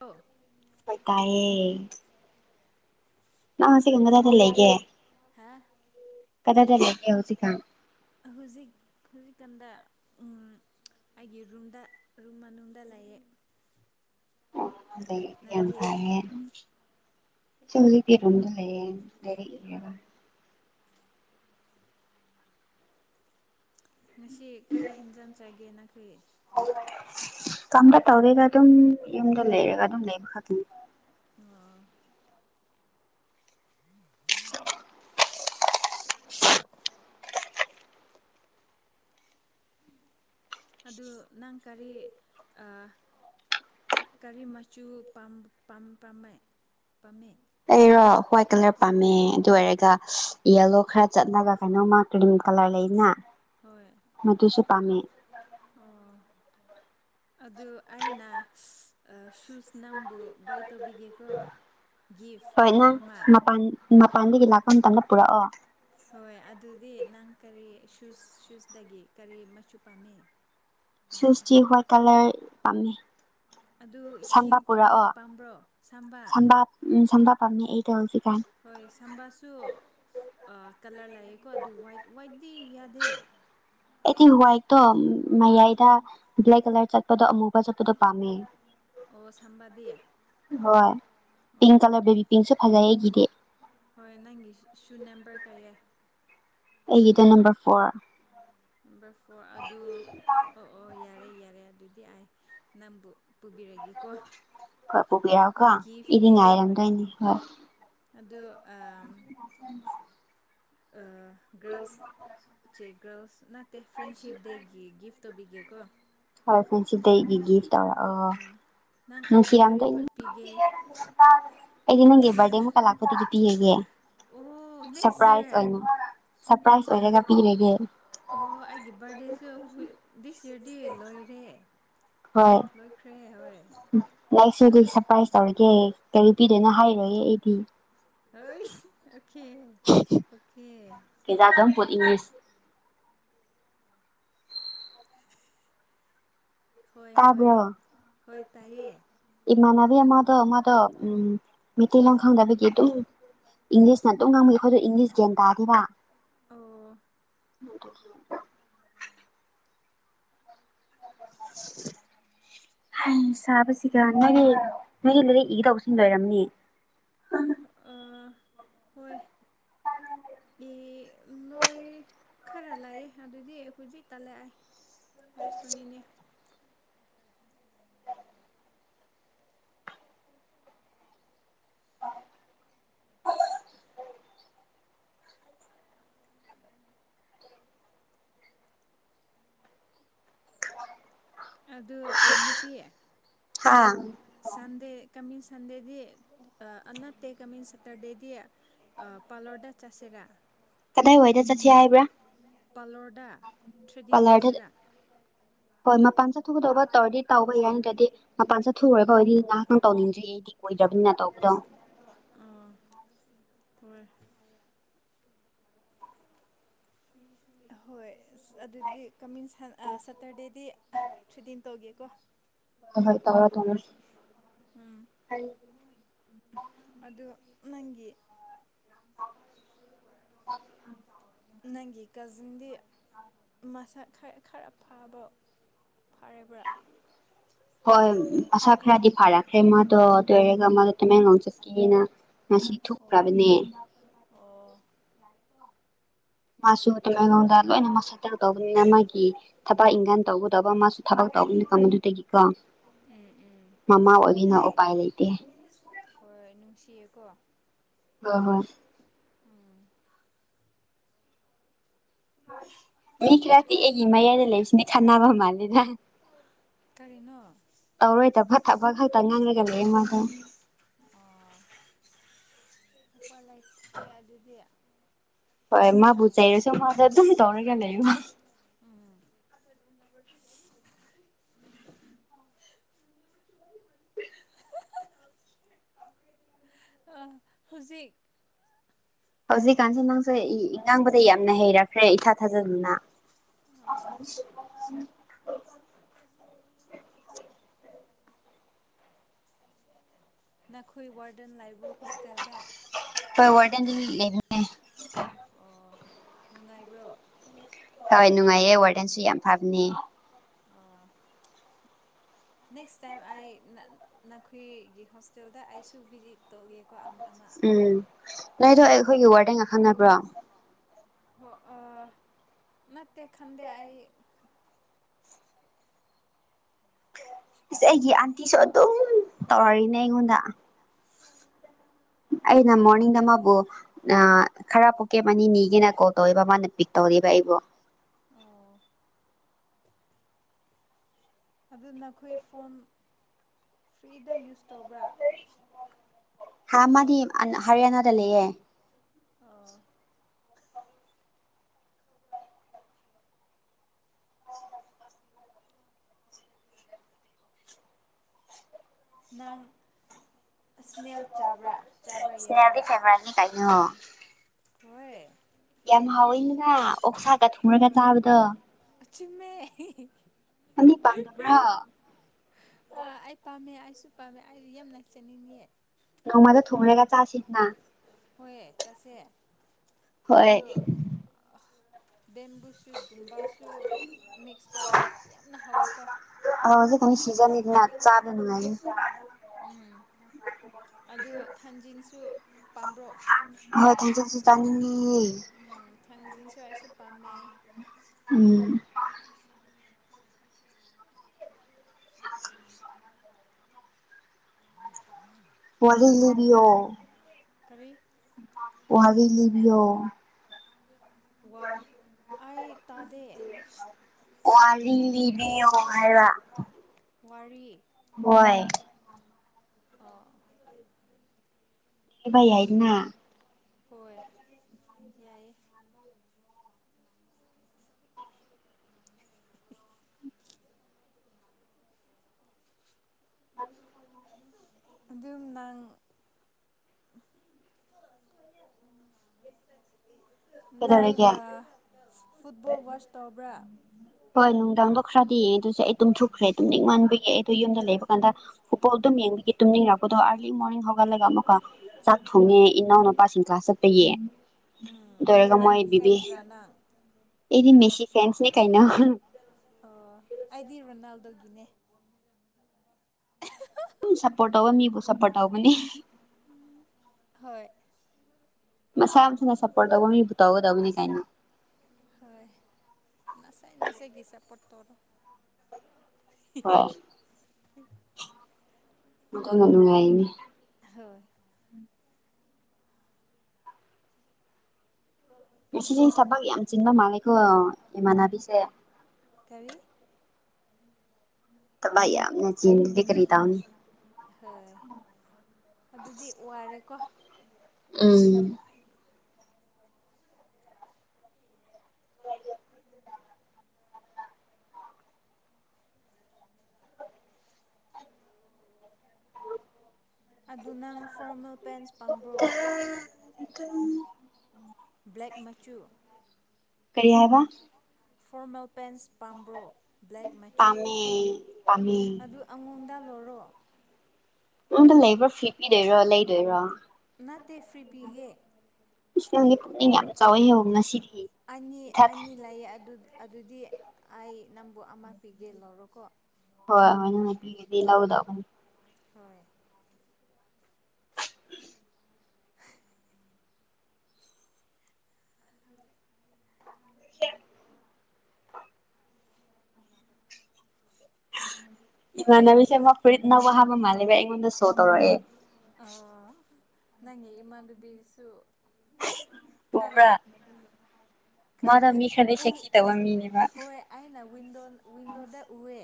ꯑꯣ ꯇꯥꯏꯌꯦ ꯎꯝ ꯅ ꯍꯧꯁꯤꯀ ꯀꯗꯥꯗ ꯈꯨꯔꯨꯝꯖꯔꯦ ꯂꯩꯒꯦ ꯍꯥ ꯀꯗꯥꯗ ꯂꯩꯒꯦ ꯍꯧ ꯈ ꯍꯧꯖꯤꯛ ꯍꯧꯖꯤꯛꯀꯥꯟꯗ ꯑꯩꯒꯤ ꯔꯨꯝꯗ ꯔꯨꯝ ꯃꯅꯨꯡꯗ ꯂꯩꯌꯦ ꯑꯗ ꯌꯥꯝ ꯅꯪꯗꯤ ꯐꯉꯦ ꯆꯂ ꯀꯔꯣꯗ ꯂꯩꯦ ꯀꯔꯤ ꯑꯣ ꯏꯔꯕ ꯉꯁꯤ ꯀꯔꯤ ꯍꯤꯟꯖꯥꯡ ꯆꯥꯏꯒꯦ ꯅꯈꯣꯏ ꯀꯝꯗ ꯇꯧꯗꯦꯗ ꯑꯗꯨꯝ ꯌꯨꯝꯗ ꯂꯩꯔꯒ ꯑꯗꯨꯝ ꯂꯩꯕ ꯈꯛꯇꯅꯤ ꯑꯣ ꯑꯗꯨ ꯅꯪ ꯀꯔꯤ ꯑ ꯀꯔꯤ ꯃꯆꯨ ꯄꯥꯝ ꯄꯝꯃꯦ ꯑꯩꯔꯣ ꯍ꯭ꯋꯥꯏꯠ ꯀꯂꯔ ꯄꯥꯝꯃꯦ ꯑꯗꯨ ꯑꯣꯏꯔꯒ ꯌꯦꯂꯣ ꯈꯔ ꯆꯠꯅꯕ ꯀꯩꯅꯣꯃ ꯀ꯭ꯔꯤꯝ ꯀꯂꯔ ꯂꯩꯅ ꯍꯣꯏ ꯃꯗꯨꯁꯨ ꯄꯥꯝꯃꯦ ꯑꯣ ꯑꯗꯨ ꯑꯩꯅ ꯁꯨꯁ ꯅ ꯕꯨ ꯕꯥꯏ ꯇꯣꯕꯤꯒꯦꯀꯣ ꯍꯣꯏ ꯒꯤꯐꯇ ꯑꯃ ꯑꯝꯇꯪꯒ ꯄꯨꯔꯛꯑꯣ ꯍꯣꯏ ꯑꯗꯨꯗꯤ ꯅꯪ ꯀꯔꯤ ꯁꯨ ꯁꯨꯁ ꯁꯨꯁꯇꯗꯒꯤ ꯀꯔꯤ ꯃꯆꯨ ꯄꯥꯝꯃꯤ ꯑꯗꯨ ꯁꯨꯁꯇꯤ ꯍꯋꯥꯏꯠ ꯀꯂꯔ ꯄꯥꯝꯃꯤ ꯑꯗꯨ ꯍꯤꯜ ꯄꯝꯃ ꯄꯥꯝꯕ꯭ꯔꯣ ꯁꯝꯕꯥ ꯎꯝ ꯁꯝꯕꯥ ꯄꯝꯃꯤ ꯑꯩꯗꯣ ꯍꯧꯖꯤꯛ ꯍꯣꯏ ꯁꯝꯕꯥꯁꯨ ꯑ ꯀꯂꯔ ꯂꯩꯌꯦꯀꯣ ꯑꯗꯣ ꯍꯋꯥꯏꯠ ꯍꯋꯥꯏꯇꯗꯤ ꯌꯥꯗꯦ [unintelligible] ꯇꯣ ꯑꯥ ꯃꯌꯥꯏꯗ ꯕ꯭ꯂꯦꯛ ꯀꯂꯔ ꯆꯠꯄꯗꯣ ꯑꯃꯨꯕ ꯆꯠꯄꯗꯣ ꯄꯥꯝꯃꯦ ꯑꯣ ꯁꯝꯕꯥꯗꯤ ꯍꯣꯏ ꯑꯣ ꯄꯤꯡ ꯑꯣ ꯀꯂꯔ ꯕꯦꯕꯤ ꯄꯤꯡꯁꯨ ꯐꯖꯩꯌꯦ ꯑꯩꯒꯤꯗꯤ ꯍꯣꯏ ꯅꯪꯒꯤ ꯁꯨ ꯅꯦꯝꯕꯔ ꯀꯌꯦ ꯑꯩꯒꯤꯗ ꯅꯝꯕꯝ ꯐꯣꯔ ꯅꯝꯕꯔ ꯐꯣꯔ ꯑꯗꯨ ꯑꯣ ꯑꯣ ꯌꯥꯔꯦ ꯌꯥꯔꯦ ꯑꯗꯨꯗꯤ ꯌꯥꯏ ꯅꯝꯕꯨ ꯍꯣꯏ ꯄꯨꯕꯤꯔꯛꯑꯣꯀꯣ ꯏꯗꯤ ꯒꯤꯐꯅꯦ ꯉꯥꯏꯔꯝꯗꯣꯏꯅꯤ ꯍꯣꯏ ꯑꯗꯣ [inaudible] ꯑꯥ ꯒꯔꯜꯁ ꯆꯦꯛ [unintelligible] ꯐ꯭ꯔꯦꯟꯁꯤꯞ ꯗꯦꯒꯤ ꯒꯤꯐ ꯇꯧꯕꯤꯒꯦ ꯀ꯫ ꯍꯣꯏ [unintelligible] ꯁꯤꯗꯩꯩꯒꯤꯗꯤ꯫ ꯇꯧꯔꯛꯑꯣ ꯎꯝ ꯅꯪ ꯅꯨꯡꯁꯤ ꯑꯩꯕꯨ ꯀꯔꯤ ꯌꯥꯝꯗꯣꯏꯅꯤ ꯄꯤꯒꯦ ꯑꯩꯗꯤ ꯅꯪꯒꯤ ꯕꯥꯔꯗꯦ ꯃꯨꯛꯀ ꯂꯥꯛꯄꯗꯒꯤ ꯄꯤꯔꯒꯦ ꯑꯣ ꯅꯦꯛꯁ ꯁꯔꯄ꯭ꯔꯥꯏꯖ ꯏꯌꯥꯔ ꯑꯣꯏꯅ ꯁꯔꯄ꯭ꯔꯥꯏꯖ ꯑꯣꯏꯔꯒ ꯄꯤꯔꯒꯦ꯫ ꯑꯣ ꯑꯩꯒꯤ ꯕꯥꯔꯗꯦꯁꯨ [unintelligible] ꯂꯣꯏꯔꯦ꯫ ꯂꯣꯏꯈ꯭ꯔꯦꯍꯦ ꯍꯣꯏ꯫ ꯍꯝ ꯂꯩꯁꯤꯗꯤ ꯑꯗꯣ ꯁꯔꯄ꯭ꯔꯥꯏꯁ ꯇꯧꯔꯒꯦ꯫ ꯑꯦ ꯀꯔꯤ ꯄꯤꯗꯣꯏꯅ ꯍꯥꯏꯔꯣꯏꯌꯦ ꯑꯩꯗꯤ꯫ [inaudible] Okay okay. [unintelligible] ꯍꯣꯏ ꯍꯣꯏ ꯇꯥꯕ꯭ꯔꯣ ꯍꯣꯏ ꯇꯥꯏꯌꯦ꯫ ꯇꯣ ꯃꯥ꯫ ꯇꯣ ꯎꯝ꯫ ꯃꯩꯇꯩꯂꯣꯟ ꯈꯪꯗꯕꯒꯤ ꯑꯗꯨꯝ ꯏꯪꯂꯤꯁꯅ ꯑꯗꯨꯝ ꯉꯥꯡꯕꯒꯤ ꯑꯩꯈꯣꯏꯗꯣ ꯏꯪꯂꯤꯁ ꯒ꯭ꯌꯥꯟ ꯇꯥꯗꯦꯕ꯫ ꯑꯣ ꯍꯌꯦꯡ ꯆꯥꯕꯁꯤꯒ ꯅꯣꯏꯒꯤ ꯅꯣꯏꯒꯤ ꯂꯩꯔꯤꯛ ꯏꯒꯗꯧꯕꯁꯤꯡ ꯂꯩꯔꯝꯅꯤ꯫ ꯑꯥ ꯍꯣꯏ ꯑꯦ ꯎꯝ ꯅꯣꯏ ꯈꯔ ꯂꯥꯛꯑꯦ ꯑꯗꯨꯗꯤ ꯍꯧꯖꯤꯛ ꯇꯂꯦꯑꯥꯏ꯫ ꯔꯦꯁꯇꯣꯅꯤꯅꯦ꯫ ꯑꯗꯨ ꯑꯥ ꯅꯨꯄꯤꯌꯦ꯫ ꯍꯥꯥ꯫ ꯁꯟꯗꯦ ꯀꯃꯤꯡ ꯁꯟꯗꯦꯗꯤ ꯑꯥ ꯅꯠꯇꯦ ꯀꯃꯤꯡ ꯁꯇꯔꯗꯦꯗꯤ ꯑꯥ ꯄꯥꯔꯂꯔꯗ ꯆꯁꯤꯔꯥ꯫ ꯀꯗꯥꯏꯋꯥꯏꯗ ꯆꯠ ꯄꯥꯔꯂꯣꯔꯗ ꯊ꯭ꯔꯦꯗꯤꯡ ꯄꯥꯔꯂꯔꯗ ꯇꯧꯁꯤꯔꯥ꯫ ꯍꯣꯏ ꯃꯄꯥꯟ ꯆꯠꯊꯣꯛꯀꯗꯧꯕ ꯇꯧꯔꯗꯤ ꯇꯧꯕ ꯌꯥꯏ ꯅꯠꯇ꯭ꯔꯗꯤ ꯃꯄꯥꯟ ꯆꯠꯊꯣꯛꯎꯔꯒ ꯑꯣꯏꯔꯗꯤ ꯉꯍꯥꯛꯇꯪ ꯇꯧꯅꯤꯡꯗ꯭ꯔꯤ ꯑꯩꯗꯤ ꯀꯨꯗ꯭ꯔꯤꯕꯅꯤꯅ ꯇꯧꯕꯗꯣ꯫ ꯑꯥ ꯍꯣꯏ꯫ [unintelligible] ꯍꯣꯏ꯫ ꯎꯁ ꯑꯗꯨꯗꯤ ꯀꯃꯤꯡ ꯁꯟ ꯑꯥ ꯁꯇꯔꯗꯦꯗꯤ ꯑꯥꯍ ꯊ꯭ꯔꯤꯗꯤꯟ ꯇꯧꯒꯦꯀꯣ꫰ ꯎꯝ ꯍꯥꯏ꯫ ꯑꯗꯨ ꯅꯪꯒꯤ꯫ [unintelligible] ꯅꯪꯒꯤ ꯀꯖꯤꯟꯗꯤ ꯃꯁꯛ ꯈꯔ ꯈꯔ ꯐꯕ ꯐꯔꯕ꯭ꯔꯥ꯫ ꯍꯣꯏ ꯃꯁꯥ ꯈꯔꯗꯤ ꯐꯥꯔꯛꯈ꯭ꯔꯦ ꯃꯥꯗꯣ ꯑꯗꯨ ꯑꯣꯏꯔꯒ ꯃꯥꯗꯣ ꯇꯃꯦꯡꯂꯣꯡ ꯆꯠꯀꯦꯅ꯫ ꯉꯁꯤ ꯑꯣ ꯊꯣꯛꯈ꯭ꯔꯕꯅꯦ꯫ ꯑꯣ ꯃꯥꯁꯨ ꯇꯃꯦꯡꯂꯣꯡꯗ ꯂꯣꯏꯅꯃꯛ ꯁꯦꯇꯦꯜ ꯇꯧꯕꯅꯤꯅ ꯃꯥꯒꯤ ꯊꯕꯛ ꯏꯪꯒꯥꯟ ꯇꯧꯒꯗꯧꯕ ꯃꯥꯁꯨ ꯊꯕꯛ ꯇꯧꯕꯅꯤꯅꯀꯣ ꯃꯗꯨꯗꯒꯤ ꯀꯣ꯫ ꯎꯝ ꯎꯝ ꯃꯃꯥ ꯑꯣꯏꯕꯤꯅ ꯎꯄꯥꯏ ꯂꯩꯇꯦ꯫ ꯀꯣ꯫ ꯑ ꯍ ꯃꯤ ꯈꯔꯗꯤ ꯑꯩꯒꯤ ꯃꯌꯥꯏꯗ ꯂꯩꯔꯤꯁꯤꯅꯦ ꯈꯟꯅꯕ ꯃꯥꯜꯂꯤꯦꯗ ꯀꯔꯤꯅꯣ ꯇꯧꯔꯣꯏꯗꯕ ꯊꯕꯛ ꯈꯛꯇ ꯉꯥꯡꯂꯒ ꯂꯩꯌꯦ ꯃꯥꯗ ꯑꯄꯥ ꯂꯩꯇꯦ ꯑꯗꯨꯗꯤ ꯍꯣꯏ ꯃꯥꯕꯨ ꯆꯩꯔꯁꯨ ꯃꯥꯗ ꯑꯗꯨꯝ ꯇꯧꯔꯒ ꯂꯩꯌ ꯍꯧꯖꯤꯛ ꯍꯧꯖꯤꯛꯀꯥꯟꯁꯦ ꯅꯪꯁꯦ ꯉꯥꯡꯕꯗ ꯌꯥꯝꯅ ꯍꯩꯔꯈ꯭ꯔꯦ ꯏꯊꯥ ꯊꯥꯖꯗꯅ ꯎꯝ ꯑꯥ ꯅꯪꯈꯣꯏ ꯋꯥ ꯗꯟꯂꯥꯏꯕ꯭ꯔꯣ ꯍꯣꯁꯇꯦꯜꯗ ꯍꯣꯏ ꯋꯥꯔꯗꯦꯟꯗꯤ ꯂꯩꯕ ꯑꯣ ꯅꯨꯡꯉꯥꯏꯕ꯭ꯔꯣ ꯍꯣꯏ ꯅꯨꯡꯉꯥꯏꯌꯦ ꯋꯥꯔꯗꯦꯟꯁꯨ ꯌꯥꯝ ꯐꯕꯅꯦ ꯑꯥ ꯅꯦꯛꯁ ꯇꯥꯏ ꯑꯩ ꯅꯅꯥꯈꯣꯏꯒꯤ ꯍꯣꯁꯇꯦꯜꯗ ꯑꯁꯨꯚꯖꯤ ꯇꯧ ꯎꯝ ꯅꯣꯏꯗꯣ ꯑꯩ ꯑꯩꯈꯣꯏꯒꯤ ꯋꯥꯔꯗꯦꯡ ꯉꯥꯈꯟꯅꯕ꯭ꯔꯣ ꯅꯇ ꯈꯥꯟꯗ ꯑꯩ ꯑꯁ ꯑꯩꯒꯤ ꯑꯟꯇꯤꯁꯨ ꯑꯗꯨꯝ ꯇꯧꯔꯔꯤꯅꯦ ꯑꯩꯉꯣꯟꯗ ꯑꯩꯅ ꯃꯣꯔꯅꯤꯡꯗ ꯑꯃꯕꯨ ꯈꯔ ꯀꯦꯞ ꯑꯅꯤꯅꯤꯒꯦꯅ ꯀꯣꯜ ꯇꯧꯦꯕ ꯃꯥꯅ ꯄꯤꯛ ꯇꯧꯕ ꯑꯩꯕꯨꯣ ꯑꯣ ꯑꯗꯨ ꯅꯈꯣꯏ ꯐꯣꯟ ꯐ꯭ꯔꯤꯗ ꯌꯨꯁ ꯇꯧꯕ꯭ꯔꯥ ꯍ ꯃꯥꯅꯤ ꯍꯔꯌꯥꯅꯗ ꯂꯩꯌꯦꯦ ꯑꯣ ꯅꯪ ꯏꯁꯅꯦꯜ ꯆꯥꯕ꯭ꯔꯥ ꯆꯥꯕ꯭ꯔꯥ ꯁꯤꯅꯦꯜꯗꯤ ꯌꯥꯔꯕ ꯐꯦꯚꯣꯔꯥꯏꯠꯅꯤ ꯀꯩꯅꯣ ꯍꯣꯏ ꯌꯥꯝ ꯍꯥꯎꯋꯤꯅꯤꯅ ꯑꯣꯛꯁꯥꯛꯒ ꯊꯨꯡꯔꯒ ꯆꯥꯕꯗꯣ ꯆꯃꯦ ꯑꯅꯤ ꯄꯥꯗꯕ꯭ꯔ ꯁꯨ ꯄꯥꯝꯃꯦ ꯑꯩꯗꯤ ꯌꯥꯝ ꯅꯛꯆꯅꯤꯡꯉꯌꯦ ꯅꯣꯡꯃꯗ ꯊꯣꯡꯔꯦꯒ ꯆ ꯑꯠꯅꯥ ꯍꯣꯏꯑ ꯆꯁꯦ ꯍꯣꯏ ꯑꯗꯨꯗ ꯕꯦꯝꯕꯨ ꯁꯨꯠꯀꯨꯝꯕꯁꯨ ꯃꯤꯛꯁ ꯇꯧꯒ ꯌꯥꯝꯅ ꯍꯥꯎꯋꯦꯀꯣ ꯑ ꯍꯧꯖꯤꯦ ꯀꯅꯤ ꯁꯤꯖꯟ ꯏꯗꯅ ꯆꯥꯕꯤꯅꯅꯨꯡꯉ ꯑꯗꯨ ꯊꯟꯖꯤꯟꯁꯨ ꯄꯥꯝꯕ꯭ꯔꯣ ꯍꯣꯏ ꯊꯁꯁꯨ ꯆꯥꯡ ꯄꯖꯤꯟꯁꯨ ꯑꯩꯁꯨ ꯄꯥꯝꯃꯦ ꯎꯝ [inaudible] ꯄꯂꯤ ꯂꯤꯣ ꯀꯔꯤ ꯄꯍꯕꯤ ꯂꯤꯕꯤꯌ ꯋꯥ ꯑꯩ ꯇꯥꯗꯦ ꯋꯥꯔꯤ ꯂꯤꯕꯤꯌꯣ ꯍꯥꯏꯔ ꯃꯔꯤ ꯍꯣꯏ ꯑꯣ ꯑꯦꯕꯏꯏꯅ ꯍꯣꯏ ꯌꯥꯏꯑꯌꯦ ꯅꯪ ꯑꯗꯨꯝꯅꯪ ꯀꯩꯗꯧꯔꯒꯦ ꯐꯨꯠꯕꯣꯜ ꯋꯥꯆ ꯇꯧꯕ꯭ꯔꯥ ꯍꯣꯏ ꯅꯨꯡꯗꯥꯡꯗꯣ ꯈꯔꯗꯤ ꯌꯦꯡꯉꯦ ꯑꯗꯨꯁꯨ ꯑꯩ ꯇꯨꯝꯊꯨꯈ꯭ꯔꯦ ꯑꯗꯨꯝ ꯅꯤꯡꯛ ꯃꯟꯕꯒꯤ ꯑꯩ ꯑꯗꯨ ꯌꯨꯝꯗ ꯂꯩꯕ ꯀ ꯍꯄꯣꯛ ꯑꯗꯨꯝ ꯌꯦꯡꯕꯤꯒꯤ ꯇꯨꯝꯅꯤꯡꯔꯛꯄꯗꯣ ꯃ ꯐꯒꯠꯂꯒ ꯑꯃꯨꯛꯀ ꯆꯥꯛ ꯊꯣꯡꯉꯦ ꯏꯅꯥꯎꯅꯨꯄꯥꯁꯤꯡ ꯈ ꯆꯠꯄ ꯌꯦ ꯃ ꯀꯅꯥꯒꯤ ꯐꯦꯟꯁꯔꯥ ꯅꯪ ꯕꯤꯗꯤ ꯃꯦꯁꯤ ꯐꯦꯟꯁ ꯑꯣ ꯑꯗꯨꯗꯤꯔꯕꯣ ꯅꯜꯗ ꯑ ꯑꯗꯨꯝ ꯁꯞꯄꯣꯔꯠ ꯇꯧꯕ ꯃꯤꯕꯨ ꯁꯞꯄꯣꯔꯠ ꯇꯧꯕꯅꯤ ꯍꯣꯏ ꯃꯁꯥ ꯃꯁꯥꯅ ꯁꯞꯄꯣꯔꯠ ꯇꯧꯕ ꯃꯤꯕꯨ ꯇꯧꯒꯗꯧꯅꯤ ꯀꯥꯏꯅ ꯍꯣꯏ ꯇꯣꯔ ꯍꯣꯏ ꯑꯗꯨꯅ ꯅꯨꯡꯉꯥꯏꯅꯦ ꯍꯣꯏ ꯉꯁꯦ ꯁꯕꯛ ꯌꯥꯝ ꯆꯤꯟꯕ ꯃꯥꯜꯂꯦꯀꯣ ꯏꯃꯥꯟꯅꯕꯤꯁꯦ ꯇꯔꯤ ꯚ ꯌꯥꯝꯅ ꯆ ꯀꯔꯤ ꯇꯅꯤ ꯍꯣꯏ ꯀ ꯎꯝ ꯌ ꯑꯗꯨ ꯅꯪ ꯐꯣꯔꯃꯦꯜ ꯄꯦꯟꯁ ꯄꯥꯝꯕ꯭ꯔꯣ ꯏ ꯕ꯭ꯂꯦꯛ ꯃꯆꯨ ꯀꯔꯤ ꯍꯥꯏꯕ꯫ ꯐꯣꯔꯃꯦꯜ ꯄꯦꯟꯁ ꯄꯥꯝꯕ꯭ꯔꯣ ꯕ꯭ꯂꯦꯛ ꯃꯆꯨ ꯄꯥꯝꯃꯦ ꯄꯥꯝꯃꯦ ꯑꯗꯨ ꯑꯩꯉꯣꯟꯗ ꯂꯧꯔꯣ꯫ [unintelligible] ꯂꯩꯕ꯭ꯔꯣ ꯐ꯭ꯔꯤ ꯄꯤꯗꯣꯏꯔꯣ ꯂꯩꯗꯣꯏꯔꯣ꯫ ꯅꯠꯇꯦ ꯐ꯭ꯔꯤ ꯄꯤꯒꯦ꯫ ꯢꯁ ꯅꯪꯗꯤ ꯄꯨꯛꯅꯤꯡ ꯌꯥꯝ ꯆꯥꯎꯋꯦꯍꯦ ꯉꯁꯤꯗꯤ꯫ ꯑꯅꯤ ꯏꯊꯥ ꯊꯥ ꯑꯅꯤ ꯂꯩꯌꯦ ꯑꯗꯨꯗꯤ ꯑꯩ꯫ ꯅꯝꯕꯨ ꯑꯃ ꯄꯤꯒꯦ ꯂꯧꯔꯣꯀꯣ꯫ ꯍꯣꯏ ꯍꯣꯏ ꯅꯪꯅ ꯄꯤꯒꯦꯗꯤ ꯂꯧꯔꯗꯕꯅꯤ꯫ ꯍꯣꯏ꯫ ꯏꯃꯥꯟꯅꯕꯤꯁꯦ ꯑꯃ ꯐꯨꯔꯤꯠ ꯅꯧꯕ ꯍꯥꯏꯕ ꯃꯥꯂꯦꯍꯦ ꯑꯩꯉꯣꯟꯗ ꯁꯣ ꯇꯧꯔꯛꯑꯦ꯫ ꯑꯥ ꯅꯪꯒꯤ ꯢꯃꯥꯟꯅꯕꯤꯁꯨ ꯈꯔ ꯎꯕ꯭ꯔꯥ ꯃꯥꯗꯣ ꯃꯤ ꯈꯔꯗꯤ ꯁꯦꯛꯁꯤ ꯇꯧꯕ ꯃꯤꯅꯦꯕ [unintelligible] ꯍꯣꯏ ꯑꯩꯅ ꯋꯥꯟꯗꯣ ꯋꯤꯟꯗꯣꯗ ꯎꯋꯦ꯫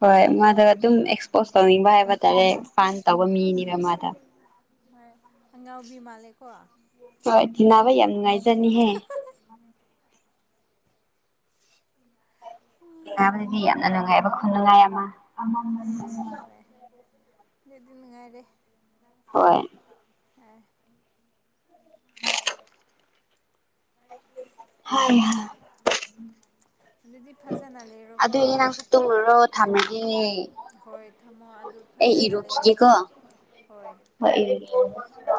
ꯍꯣꯏ ꯃꯥꯗꯣ ꯑꯗꯨꯝ ꯑꯦꯛꯁꯄꯣꯁ ꯇꯧꯅꯤꯡꯕ ꯍꯥꯏꯕ ꯇꯥꯔꯦ [unintelligible] ꯇꯧꯕ ꯃꯤꯅꯤꯅ ꯃꯥꯗꯣ꯫ ꯍꯣꯏ ꯑꯉꯥꯎꯕꯤ ꯃꯥꯜꯂꯦꯀꯣ꯫ [unintelligible] [unintelligible] ꯌꯥꯝ ꯅꯨꯡꯉꯥꯏꯖꯅꯤꯍꯦ꯫ ꯥꯇꯤꯅꯕꯗꯗꯤ ꯌꯥꯝꯅ ꯅꯨꯡꯉꯥꯏꯕ ꯈꯨꯅꯨꯡꯉꯥꯏ ꯑꯃ [unintelligible] ꯗꯨꯗꯤ ꯅꯨꯡꯉꯥꯏꯔꯦ꯫ ꯍꯣꯏ꯫ [unintelligible] ꯑꯗꯨꯗꯤ ꯐꯖꯅ ꯂꯩꯔꯣꯀꯣ ꯑꯗꯨꯗꯤ ꯅꯪꯁꯨ ꯇꯨꯝꯃꯨꯔꯣ ꯊꯝꯃꯒꯦ ꯍꯣꯏ ꯊꯝꯃꯣ ꯑꯗꯨ ꯑꯩ ꯐꯖꯅ ꯂꯩꯔꯣꯀꯣ ꯏꯔꯨꯈꯤꯒꯦꯀꯣ꯫ ꯍꯣꯏ ꯑꯥ